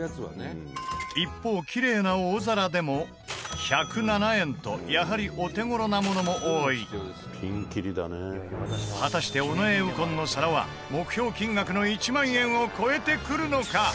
一方、キレイな大皿でも１０７円とやはり、お手頃なものも多い果たして、尾上右近の皿は目標金額の１万円を超えてくるのか？